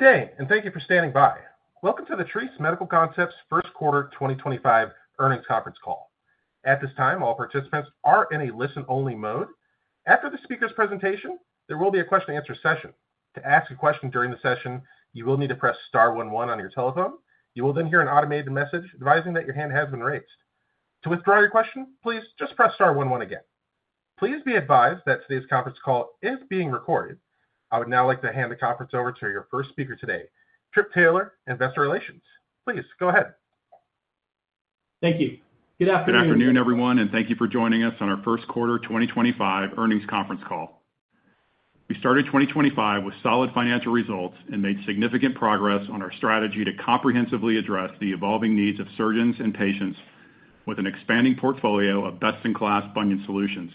Good day, and thank you for standing by. Welcome to the Treace Medical Concepts First Quarter 2025 Earnings Conference Call. At this time, all participants are in a listen-only mode. After the speaker's presentation, there will be a question-and-answer session. To ask a question during the session, you will need to press star one one on your telephone. You will then hear an automated message advising that your hand has been raised. To withdraw your question, please just press star one one again. Please be advised that today's conference call is being recorded. I would now like to hand the conference over to your first speaker today, Trip Taylor, Investor Relations. Please go ahead. Thank you. Good afternoon. Good afternoon, everyone, and thank you for joining us on our first quarter 2025 earnings conference call. We started 2025 with solid financial results and made significant progress on our strategy to comprehensively address the evolving needs of surgeons and patients with an expanding portfolio of best-in-class bunion solutions.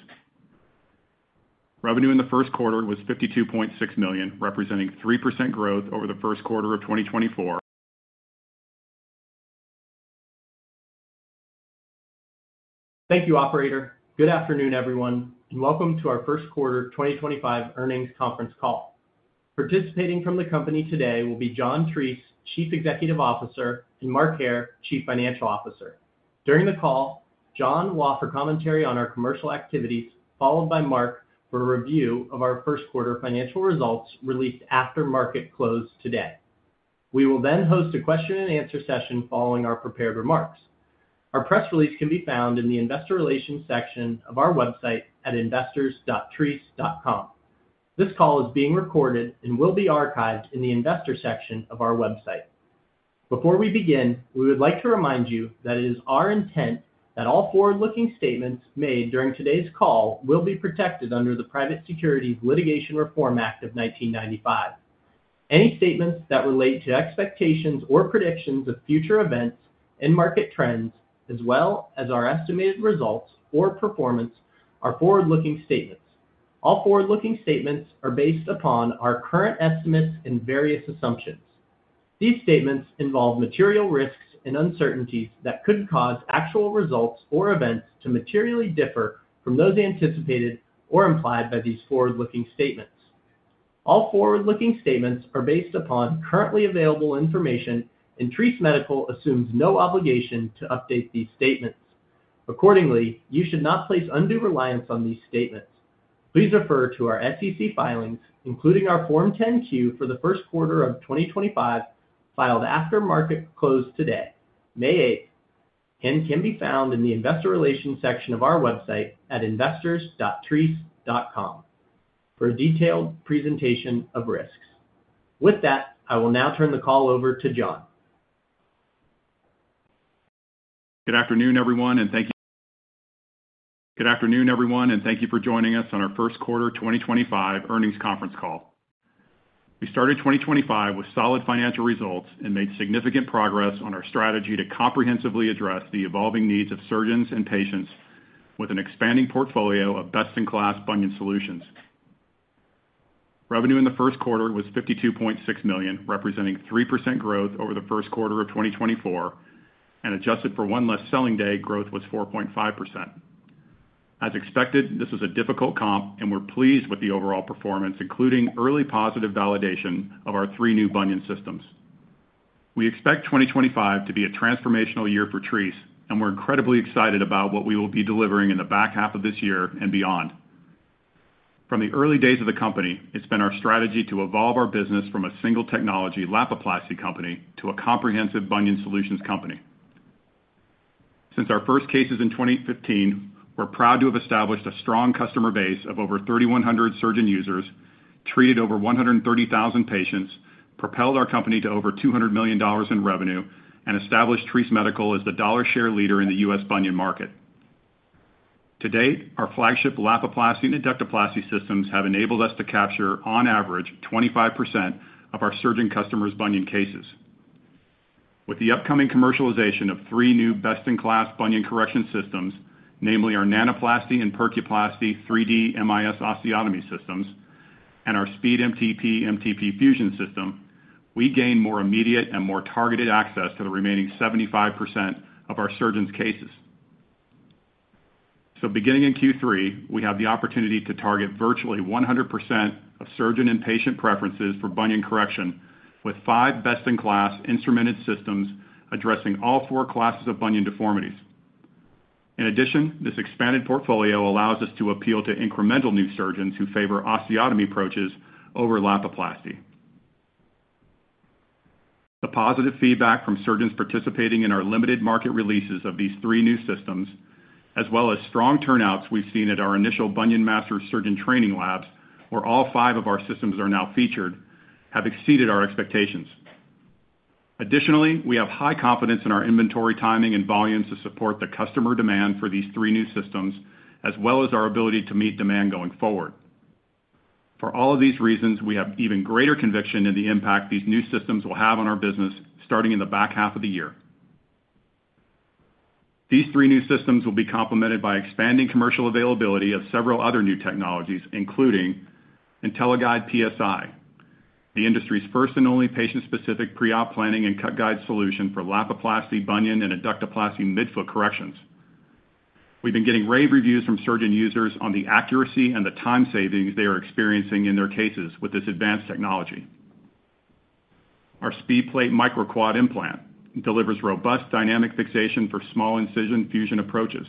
Revenue in the first quarter was $52.6 million, representing 3% growth over the first quarter of 2024. Thank you, Operator. Good afternoon, everyone, and welcome to our first quarter 2025 earnings conference call. Participating from the company today will be John Treace, Chief Executive Officer, and Mark Hair, Chief Financial Officer. During the call, John will offer commentary on our commercial activities, followed by Mark for a review of our first quarter financial results released after market close today. We will then host a question-and-answer session following our prepared remarks. Our press release can be found in the Investor Relations section of our website at investors.treace.com. This call is being recorded and will be archived in the Investor section of our website. Before we begin, we would like to remind you that it is our intent that all forward-looking statements made during today's call will be protected under the Private Securities Litigation Reform Act of 1995. Any statements that relate to expectations or predictions of future events and market trends, as well as our estimated results or performance, are forward-looking statements. All forward-looking statements are based upon our current estimates and various assumptions. These statements involve material risks and uncertainties that could cause actual results or events to materially differ from those anticipated or implied by these forward-looking statements. All forward-looking statements are based upon currently available information, and Treace Medical assumes no obligation to update these statements. Accordingly, you should not place undue reliance on these statements. Please refer to our SEC filings, including our Form 10-Q for the first quarter of 2025, filed after market close today, May 8th, and can be found in the Investor Relations section of our website at investors.treace.com for a detailed presentation of risks. With that, I will now turn the call over to John. Good afternoon, everyone, and thank you for joining us on our first quarter 2025 earnings conference call. We started 2025 with solid financial results and made significant progress on our strategy to comprehensively address the evolving needs of surgeons and patients with an expanding portfolio of best-in-class bunion solutions. Revenue in the first quarter was $52.6 million, representing 3% growth over the first quarter of 2024, and adjusted for one less selling day, growth was 4.5%. As expected, this was a difficult comp, and we're pleased with the overall performance, including early positive validation of our three new bunion systems. We expect 2025 to be a transformational year for Treace, and we're incredibly excited about what we will be delivering in the back half of this year and beyond. From the early days of the company, it's been our strategy to evolve our business from a single technology Lapiplasty company to a comprehensive bunion solutions company. Since our first cases in 2015, we're proud to have established a strong customer base of over 3,100 surgeon users, treated over 130,000 patients, propelled our company to over $200 million in revenue, and established Treace Medical as the dollar share leader in the U.S. bunion market. To date, our flagship Lapiplasty and Adductoplasty systems have enabled us to capture, on average, 25% of our surgeon customers' bunion cases. With the upcoming commercialization of three new best-in-class bunion correction systems, namely our Nanoplasty and Percuplasty 3D MIS osteotomy systems and our SpeedMTP MTP fusion system, we gain more immediate and more targeted access to the remaining 75% of our surgeons' cases. Beginning in Q3, we have the opportunity to target virtually 100% of surgeon and patient preferences for bunion correction with five best-in-class instrumented systems addressing all four classes of bunion deformities. In addition, this expanded portfolio allows us to appeal to incremental new surgeons who favor osteotomy approaches over Lapiplasty. The positive feedback from surgeons participating in our limited market releases of these three new systems, as well as strong turnouts we've seen at our initial Bunion Master surgeon training labs where all five of our systems are now featured, have exceeded our expectations. Additionally, we have high confidence in our inventory timing and volumes to support the customer demand for these three new systems, as well as our ability to meet demand going forward. For all of these reasons, we have even greater conviction in the impact these new systems will have on our business starting in the back half of the year. These three new systems will be complemented by expanding commercial availability of several other new technologies, including IntelliGuide PSI, the industry's first and only patient-specific pre-op planning and cut guide solution for Lapiplasty, bunion, and Adductoplasty midfoot corrections. We've been getting rave reviews from surgeon users on the accuracy and the time savings they are experiencing in their cases with this advanced technology. Our SpeedPlate MicroQuad implant delivers robust dynamic fixation for small incision fusion approaches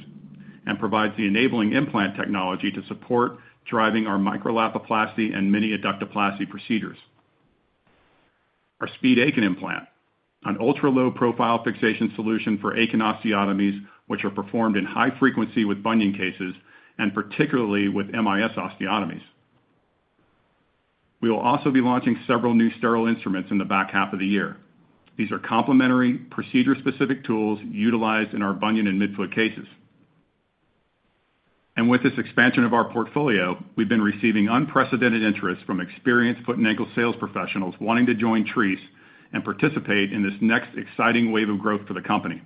and provides the enabling implant technology to support driving our Micro-Lapiplasty and Mini-Adductoplasty procedures. Our SpeedAkin implant, an ultra-low profile fixation solution for Akin osteotomies, which are performed in high frequency with bunion cases and particularly with MIS osteotomies. We will also be launching several new sterile instruments in the back half of the year. These are complementary procedure-specific tools utilized in our bunion and midfoot cases. With this expansion of our portfolio, we've been receiving unprecedented interest from experienced foot and ankle sales professionals wanting to join Treace and participate in this next exciting wave of growth for the company.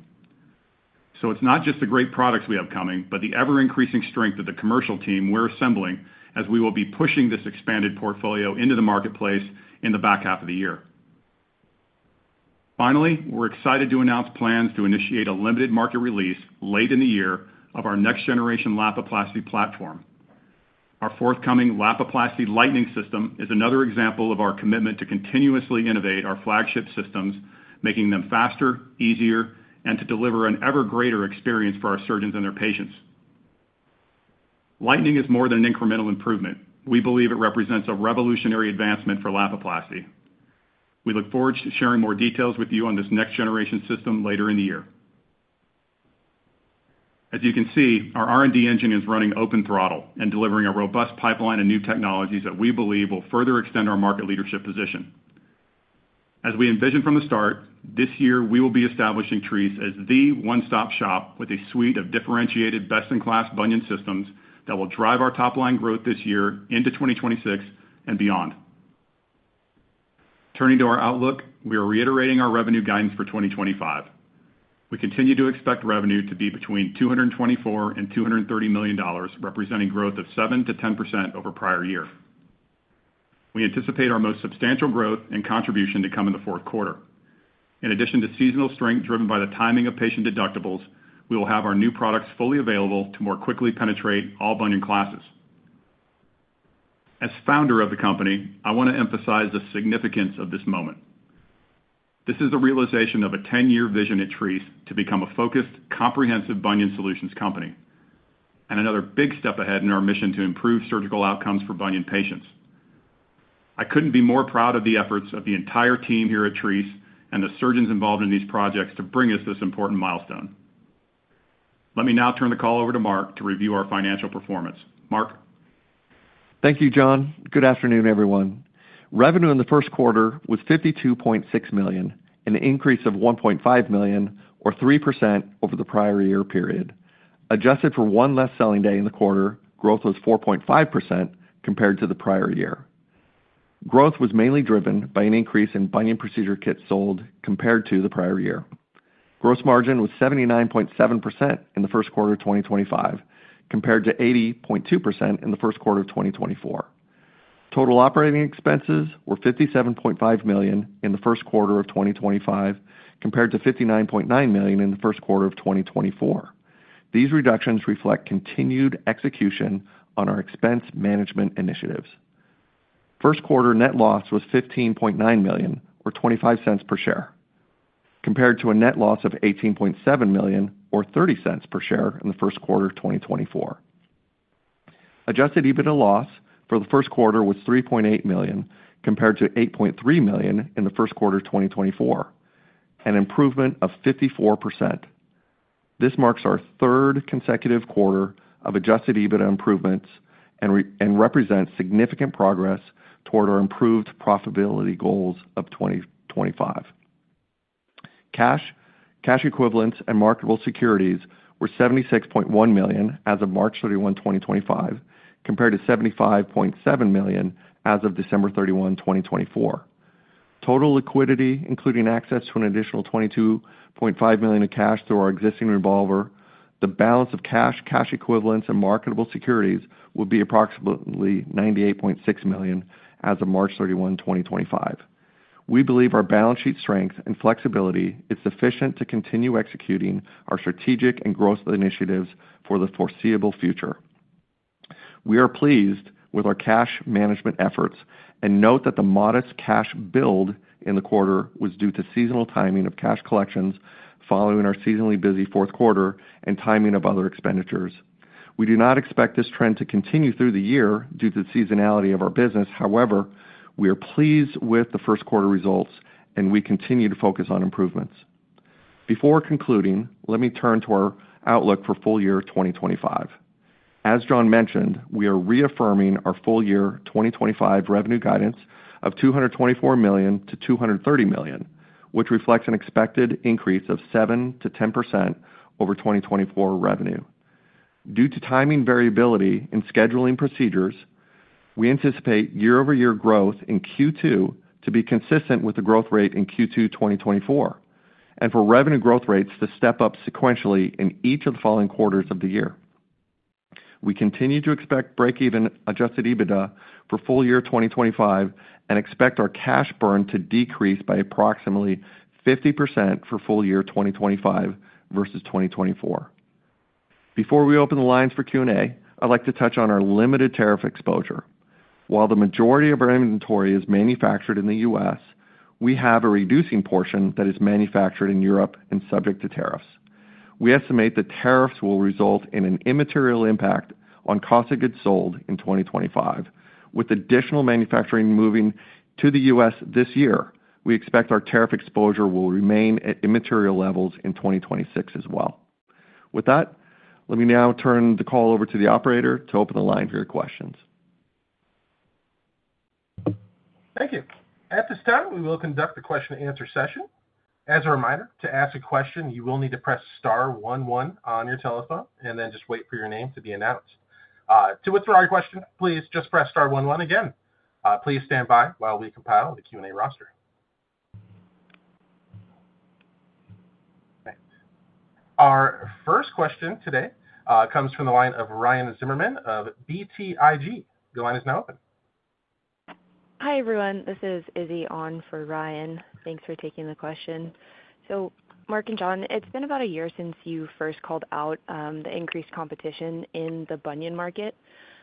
It's not just the great products we have coming, but the ever-increasing strength of the commercial team we're assembling as we will be pushing this expanded portfolio into the marketplace in the back half of the year. Finally, we're excited to announce plans to initiate a limited market release late in the year of our next-generation Lapiplasty platform. Our forthcoming Lapiplasty Lightning system is another example of our commitment to continuously innovate our flagship systems, making them faster, easier, and to deliver an ever-greater experience for our surgeons and their patients. Lightning is more than an incremental improvement. We believe it represents a revolutionary advancement for Lapiplasty. We look forward to sharing more details with you on this next-generation system later in the year. As you can see, our R&D engine is running open throttle and delivering a robust pipeline of new technologies that we believe will further extend our market leadership position. As we envisioned from the start, this year we will be establishing Treace as the one-stop shop with a suite of differentiated best-in-class bunion systems that will drive our top-line growth this year into 2026 and beyond. Turning to our outlook, we are reiterating our revenue guidance for 2025. We continue to expect revenue to be between $224 million-$230 million, representing growth of 7%-10% over prior year. We anticipate our most substantial growth and contribution to come in the fourth quarter. In addition to seasonal strength driven by the timing of patient deductibles, we will have our new products fully available to more quickly penetrate all bunion classes. As founder of the company, I want to emphasize the significance of this moment. This is the realization of a 10-year vision at Treace to become a focused, comprehensive bunion solutions company and another big step ahead in our mission to improve surgical outcomes for bunion patients. I could not be more proud of the efforts of the entire team here at Treace and the surgeons involved in these projects to bring us this important milestone. Let me now turn the call over to Mark to review our financial performance. Mark. Thank you, John. Good afternoon, everyone. Revenue in the first quarter was $52.6 million, an increase of $1.5 million, or 3% over the prior year period. Adjusted for one less selling day in the quarter, growth was 4.5% compared to the prior year. Growth was mainly driven by an increase in bunion procedure kits sold compared to the prior year. Gross margin was 79.7% in the first quarter of 2025, compared to 80.2% in the first quarter of 2024. Total operating expenses were $57.5 million in the first quarter of 2025, compared to $59.9 million in the first quarter of 2024. These reductions reflect continued execution on our expense management initiatives. First quarter net loss was $15.9 million, or $0.25 per share, compared to a net loss of $18.7 million, or $0.30 per share in the first quarter of 2024. Adjusted EBITDA loss for the first quarter was $3.8 million, compared to $8.3 million in the first quarter of 2024, an improvement of 54%. This marks our third consecutive quarter of adjusted EBITDA improvements and represents significant progress toward our improved profitability goals of 2025. Cash, cash equivalents, and marketable securities were $76.1 million as of March 31, 2025, compared to $75.7 million as of December 31, 2024. Total liquidity, including access to an additional $22.5 million of cash through our existing revolver, the balance of cash, cash equivalents, and marketable securities would be approximately $98.6 million as of March 31, 2025. We believe our balance sheet strength and flexibility is sufficient to continue executing our strategic and growth initiatives for the foreseeable future. We are pleased with our cash management efforts and note that the modest cash build in the quarter was due to seasonal timing of cash collections following our seasonally busy fourth quarter and timing of other expenditures. We do not expect this trend to continue through the year due to the seasonality of our business. However, we are pleased with the first quarter results, and we continue to focus on improvements. Before concluding, let me turn to our outlook for full year 2025. As John mentioned, we are reaffirming our full year 2025 revenue guidance of $224 million-$230 million, which reflects an expected increase of 7%-10% over 2024 revenue. Due to timing variability in scheduling procedures, we anticipate year-over-year growth in Q2 to be consistent with the growth rate in Q2 2024, and for revenue growth rates to step up sequentially in each of the following quarters of the year. We continue to expect break-even adjusted EBITDA for full year 2025 and expect our cash burn to decrease by approximately 50% for full year 2025 versus 2024. Before we open the lines for Q&A, I'd like to touch on our limited tariff exposure. While the majority of our inventory is manufactured in the U.S., we have a reducing portion that is manufactured in Europe and subject to tariffs. We estimate that tariffs will result in an immaterial impact on cost of goods sold in 2025. With additional manufacturing moving to the U.S. this year, we expect our tariff exposure will remain at immaterial levels in 2026 as well. With that, let me now turn the call over to the operator to open the line for your questions. Thank you. At this time, we will conduct the question-and-answer session. As a reminder, to ask a question, you will need to press star one one on your telephone and then just wait for your name to be announced. To withdraw your question, please just press star one one again. Please stand by while we compile the Q&A roster. Our first question today comes from the line of Ryan Zimmerman of BTIG. The line is now open. Hi, everyone. This is Izzy Ahn for Ryan. Thanks for taking the question. Mark and John, it's been about a year since you first called out the increased competition in the bunion market.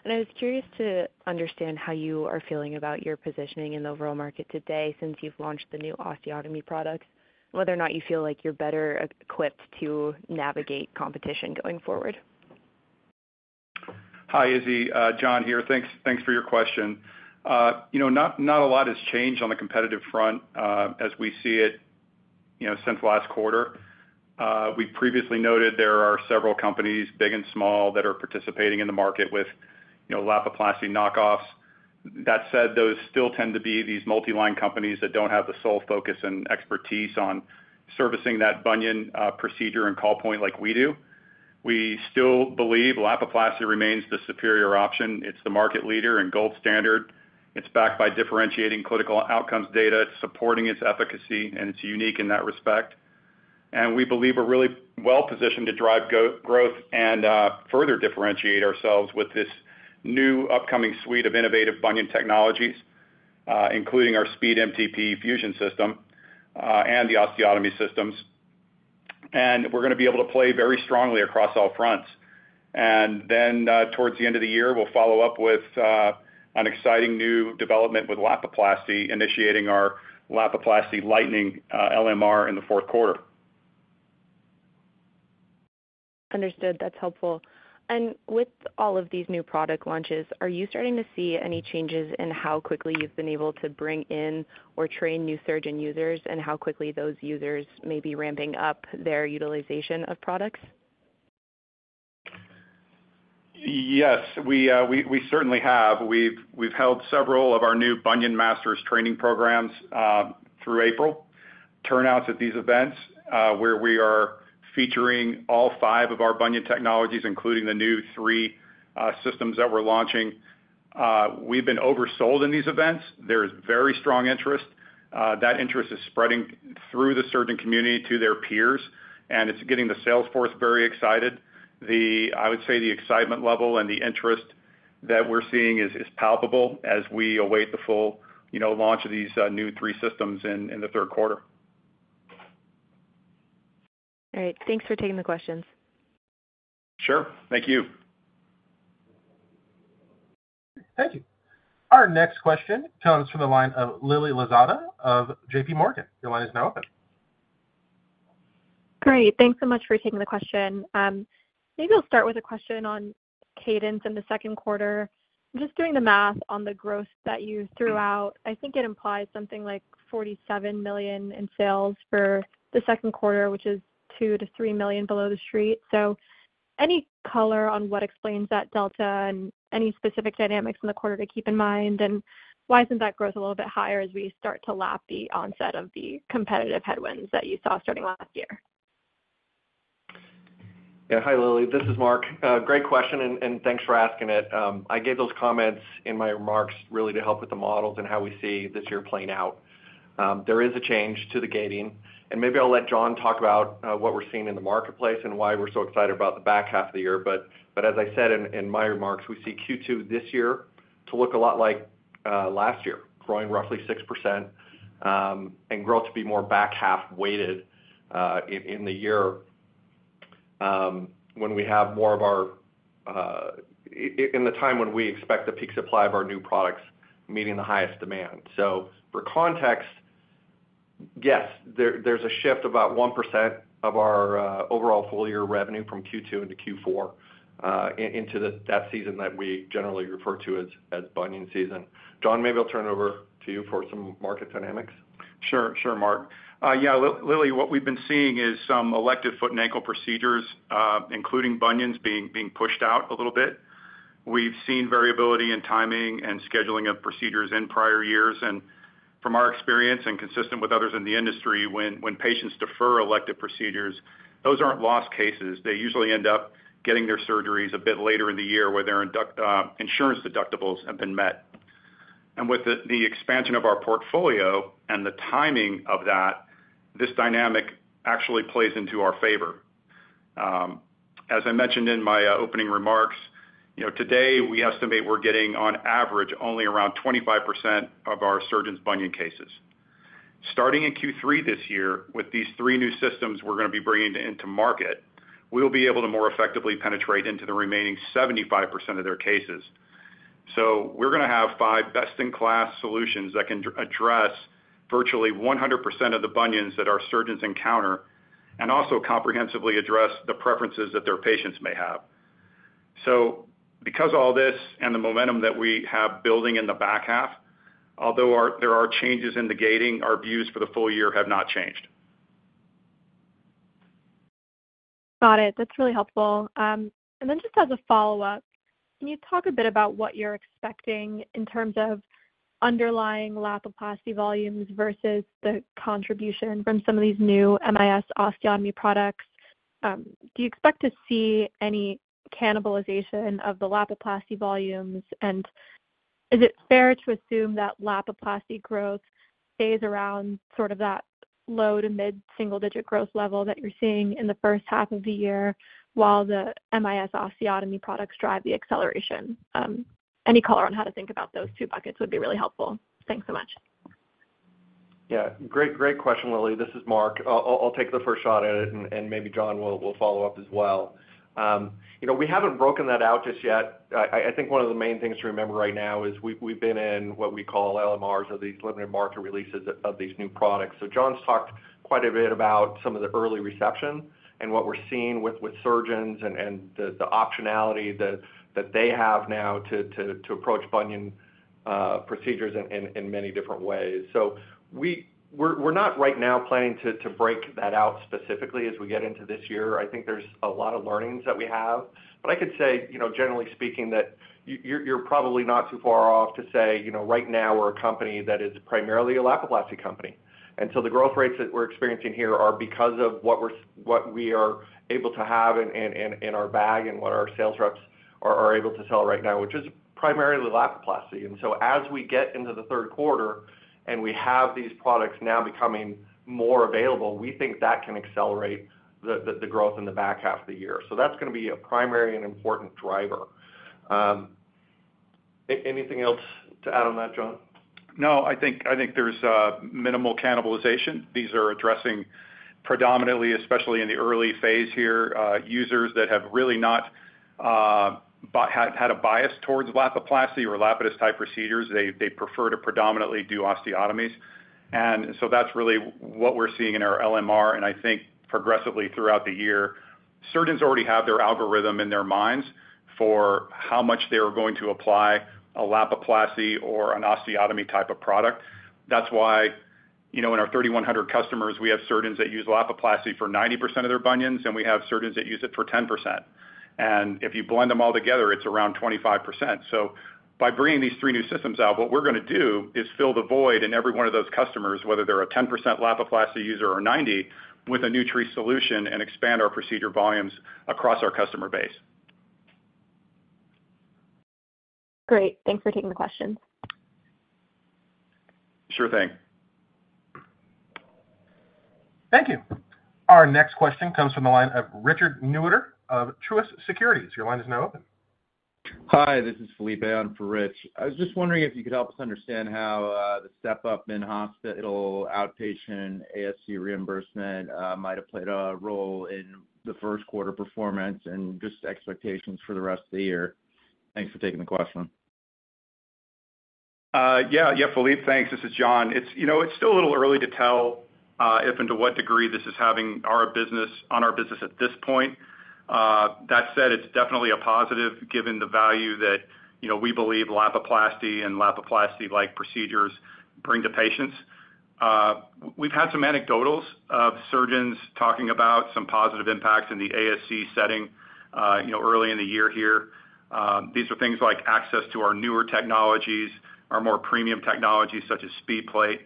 I was curious to understand how you are feeling about your positioning in the overall market today since you've launched the new osteotomy products, whether or not you feel like you're better equipped to navigate competition going forward. Hi, Izzy. John here. Thanks for your question. Not a lot has changed on the competitive front as we see it since last quarter. We previously noted there are several companies, big and small, that are participating in the market with Lapiplasty knockoffs. That said, those still tend to be these multi-line companies that don't have the sole focus and expertise on servicing that bunion procedure and call point like we do. We still believe Lapiplasty remains the superior option. It's the market leader and gold standard. It's backed by differentiating clinical outcomes data, supporting its efficacy, and it's unique in that respect. We believe we're really well positioned to drive growth and further differentiate ourselves with this new upcoming suite of innovative bunion technologies, including our SpeedMTP fusion system and the osteotomy systems. We're going to be able to play very strongly across all fronts. Towards the end of the year, we'll follow up with an exciting new development with Lapiplasty, initiating our Lapiplasty Lightning LMR in the fourth quarter. Understood. That's helpful. With all of these new product launches, are you starting to see any changes in how quickly you've been able to bring in or train new surgeon users and how quickly those users may be ramping up their utilization of products? Yes, we certainly have. We've held several of our new Bunion Masters training programs through April, turnouts at these events where we are featuring all five of our bunion technologies, including the new three systems that we're launching. We've been oversold in these events. There is very strong interest. That interest is spreading through the surgeon community to their peers, and it's getting the salesforce very excited. I would say the excitement level and the interest that we're seeing is palpable as we await the full launch of these new three systems in the third quarter. All right. Thanks for taking the questions. Sure. Thank you. Thank you. Our next question comes from the line of Lily Lozada of JPMorgan. Your line is now open. Great. Thanks so much for taking the question. Maybe I'll start with a question on cadence in the second quarter. Just doing the math on the growth that you threw out, I think it implies something like $47 million in sales for the second quarter, which is $2 million-$3 million below the street. Any color on what explains that delta and any specific dynamics in the quarter to keep in mind? Why isn't that growth a little bit higher as we start to lap the onset of the competitive headwinds that you saw starting last year? Yeah. Hi, Lily. This is Mark. Great question, and thanks for asking it. I gave those comments in my remarks really to help with the models and how we see this year playing out. There is a change to the gating. Maybe I'll let John talk about what we're seeing in the marketplace and why we're so excited about the back half of the year. As I said in my remarks, we see Q2 this year to look a lot like last year, growing roughly 6% and growth to be more back half-weighted in the year in the time when we expect the peak supply of our new products meeting the highest demand. For context, yes, there's a shift of about 1% of our overall full year revenue from Q2 into Q4 into that season that we generally refer to as bunion season. John, maybe I'll turn it over to you for some market dynamics. Sure. Sure, Mark. Yeah. Lily, what we've been seeing is some elective foot and ankle procedures, including bunions, being pushed out a little bit. We've seen variability in timing and scheduling of procedures in prior years. From our experience and consistent with others in the industry, when patients defer elective procedures, those aren't lost cases. They usually end up getting their surgeries a bit later in the year where their insurance deductibles have been met. With the expansion of our portfolio and the timing of that, this dynamic actually plays into our favor. As I mentioned in my opening remarks, today we estimate we're getting on average only around 25% of our surgeons' bunion cases. Starting in Q3 this year, with these three new systems we're going to be bringing into market, we'll be able to more effectively penetrate into the remaining 75% of their cases. We are going to have five best-in-class solutions that can address virtually 100% of the bunions that our surgeons encounter and also comprehensively address the preferences that their patients may have. Because of all this and the momentum that we have building in the back half, although there are changes in the gating, our views for the full year have not changed. Got it. That's really helpful. Just as a follow-up, can you talk a bit about what you're expecting in terms of underlying Lapiplasty volumes versus the contribution from some of these new MIS osteotomy products? Do you expect to see any cannibalization of the Lapiplasty volumes? Is it fair to assume that Lapiplasty growth stays around sort of that low to mid-single-digit growth level that you're seeing in the first half of the year while the MIS osteotomy products drive the acceleration? Any color on how to think about those two buckets would be really helpful. Thanks so much. Yeah. Great question, Lily. This is Mark. I'll take the first shot at it, and maybe John will follow up as well. We haven't broken that out just yet. I think one of the main things to remember right now is we've been in what we call LMRs, these limited market releases of these new products. John's talked quite a bit about some of the early reception and what we're seeing with surgeons and the optionality that they have now to approach bunion procedures in many different ways. We're not right now planning to break that out specifically as we get into this year. I think there's a lot of learnings that we have. I could say, generally speaking, that you're probably not too far off to say right now we're a company that is primarily a Lapiplasty company. The growth rates that we're experiencing here are because of what we are able to have in our bag and what our sales reps are able to sell right now, which is primarily Lapiplasty. As we get into the third quarter and we have these products now becoming more available, we think that can accelerate the growth in the back half of the year. That is going to be a primary and important driver. Anything else to add on that, John? No, I think there's minimal cannibalization. These are addressing predominantly, especially in the early phase here, users that have really not had a bias towards Lapiplasty or Lapidus-type procedures. They prefer to predominantly do osteotomies. That is really what we're seeing in our LMR. I think progressively throughout the year, surgeons already have their algorithm in their minds for how much they are going to apply a Lapiplasty or an osteotomy type of product. That is why in our 3,100 customers, we have surgeons that use Lapiplasty for 90% of their bunions, and we have surgeons that use it for 10%. If you blend them all together, it is around 25%. By bringing these three new systems out, what we are going to do is fill the void in every one of those customers, whether they are a 10% Lapiplasty user or 90%, with a new Treace solution and expand our procedure volumes across our customer base. Great. Thanks for taking the questions. Sure thing. Thank you. Our next question comes from the line of Richard Newitter of Truist Securities. Your line is now open. Hi, this is Felipe. I'm for Rich. I was just wondering if you could help us understand how the step-up in hospital outpatient ASC reimbursement might have played a role in the first quarter performance and just expectations for the rest of the year. Thanks for taking the question. Yeah. Yeah, Felipe, thanks. This is John. It's still a little early to tell if and to what degree this is having on our business at this point. That said, it's definitely a positive given the value that we believe Lapiplasty and Lapiplasty-like procedures bring to patients. We've had some anecdotals of surgeons talking about some positive impacts in the ASC setting early in the year here. These are things like access to our newer technologies, our more premium technologies such as SpeedPlate.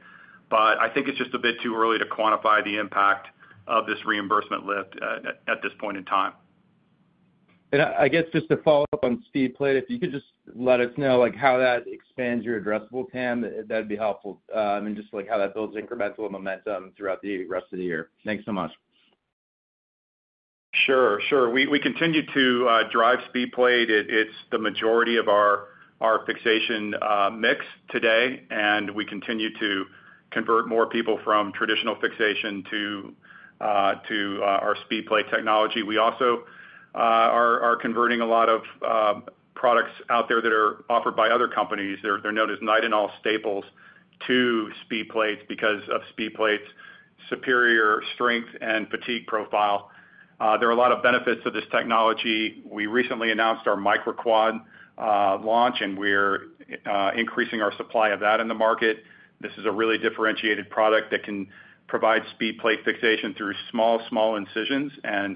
I think it's just a bit too early to quantify the impact of this reimbursement lift at this point in time. Just to follow up on SpeedPlate, if you could just let us know how that expands your addressable TAM, that'd be helpful. Just how that builds incremental momentum throughout the rest of the year. Thanks so much. Sure. We continue to drive SpeedPlate. It's the majority of our fixation mix today. We continue to convert more people from traditional fixation to our SpeedPlate technology. We also are converting a lot of products out there that are offered by other companies. They're known as nitinol staples to SpeedPlates because of SpeedPlates' superior strength and fatigue profile. There are a lot of benefits to this technology. We recently announced our MicroQuad launch, and we're increasing our supply of that in the market. This is a really differentiated product that can provide SpeedPlate fixation through small, small incisions.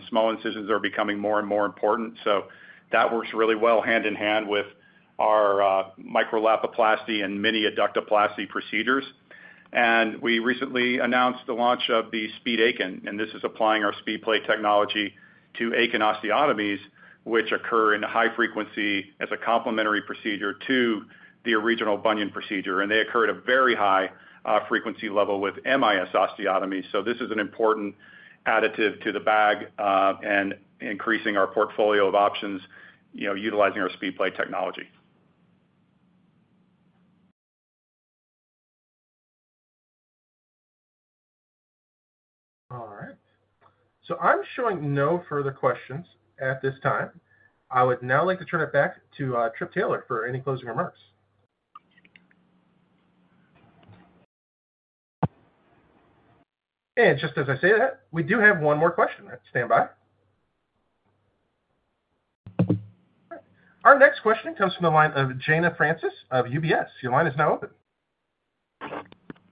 Small incisions are becoming more and more important. That works really well hand in hand with our Micro-Lapiplasty and Mini-Adductoplasty procedures. We recently announced the launch of the SpeedAkin. This is applying our SpeedPlate technology to Akin osteotomies, which occur in high frequency as a complementary procedure to the original bunion procedure. They occur at a very high frequency level with MIS osteotomies. This is an important additive to the bag and increasing our portfolio of options utilizing our SpeedPlate technology. All right. I am showing no further questions at this time. I would now like to turn it back to Trip Taylor for any closing remarks. Just as I say that, we do have one more question. Stand by. Our next question comes from the line of Jayna Francis of UBS. Your line is now open.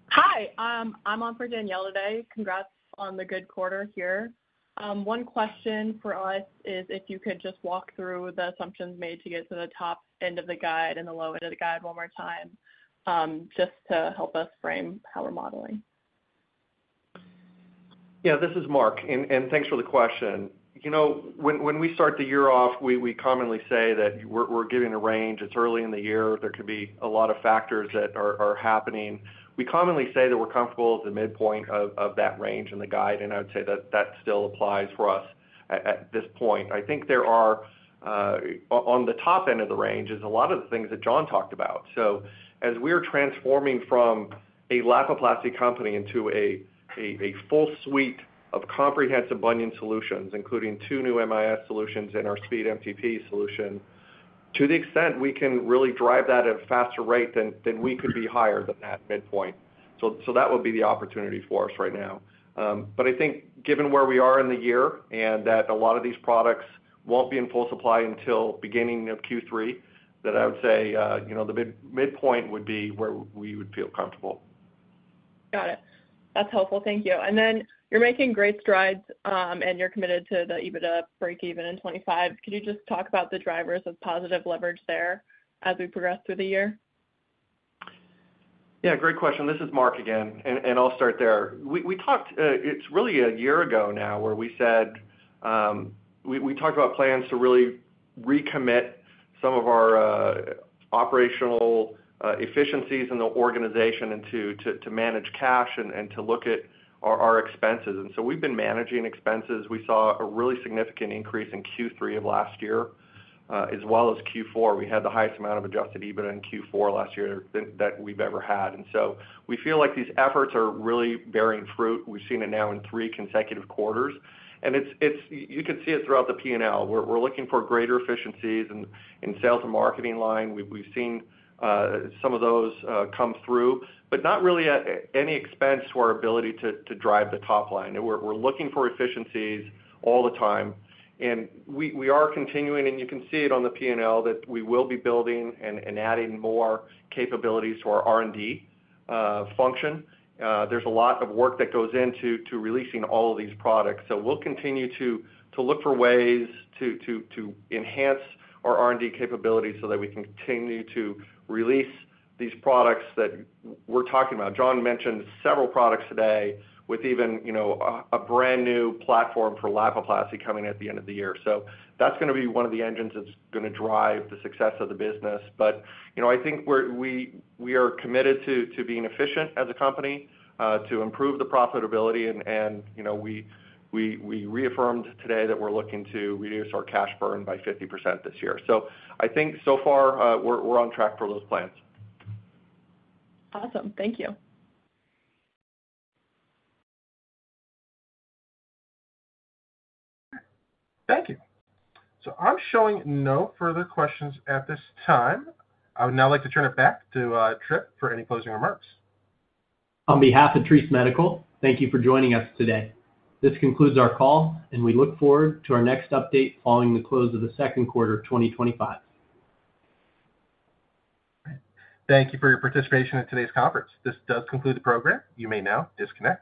Hi. I'm on for Danielle today. Congrats on the good quarter here. One question for us is if you could just walk through the assumptions made to get to the top end of the guide and the low end of the guide one more time just to help us frame how we're modeling. Yeah. This is Mark. Thanks for the question. When we start the year off, we commonly say that we're giving a range. It's early in the year. There could be a lot of factors that are happening. We commonly say that we're comfortable at the midpoint of that range in the guide. I would say that that still applies for us at this point. I think on the top end of the range, a lot of the things that John talked about. As we're transforming from a Lapiplasty company into a full suite of comprehensive bunion solutions, including two new MIS solutions and our SpeedMTP solution, to the extent we can really drive that at a faster rate, we could be higher than that midpoint. That would be the opportunity for us right now. I think given where we are in the year and that a lot of these products won't be in full supply until beginning of Q3, I would say the midpoint would be where we would feel comfortable. Got it. That's helpful. Thank you. You're making great strides, and you're committed to the EBITDA break-even in 2025. Could you just talk about the drivers of positive leverage there as we progress through the year? Yeah. Great question. This is Mark again. I'll start there. It's really a year ago now where we said we talked about plans to really recommit some of our operational efficiencies in the organization and to manage cash and to look at our expenses. We've been managing expenses. We saw a really significant increase in Q3 of last year as well as Q4. We had the highest amount of adjusted EBITDA in Q4 last year that we've ever had. We feel like these efforts are really bearing fruit. We've seen it now in three consecutive quarters. You can see it throughout the P&L. We're looking for greater efficiencies in the sales and marketing line. We've seen some of those come through, but not really at any expense to our ability to drive the top line. We're looking for efficiencies all the time. We are continuing, and you can see it on the P&L, that we will be building and adding more capabilities to our R&D function. There's a lot of work that goes into releasing all of these products. We will continue to look for ways to enhance our R&D capabilities so that we can continue to release these products that we're talking about. John mentioned several products today with even a brand new platform for Lapiplasty coming at the end of the year. That is going to be one of the engines that's going to drive the success of the business. I think we are committed to being efficient as a company to improve the profitability. We reaffirmed today that we're looking to reduce our cash burn by 50% this year. I think so far we're on track for those plans. Awesome. Thank you. Thank you. So I'm showing no further questions at this time. I would now like to turn it back to Trip for any closing remarks. On behalf of Treace Medical, thank you for joining us today. This concludes our call, and we look forward to our next update following the close of the second quarter of 2025. Thank you for your participation in today's conference. This does conclude the program. You may now disconnect.